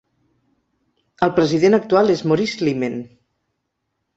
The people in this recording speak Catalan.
El president actual és Maurice Limmen.